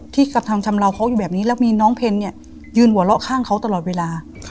ที่กำลังทำราวเขาอยู่แบบนี้แล้วมีน้องเพนยืนหัวเลาะข้างเขาตลอดเวลา